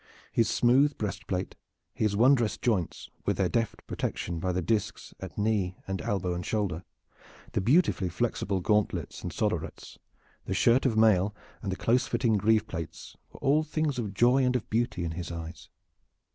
His smooth breastplate, his wondrous joints with their deft protection by the disks at knee and elbow and shoulder, the beautifully flexible gauntlets and sollerets, the shirt of mail and the close fitting greave plates were all things of joy and of beauty in his eyes.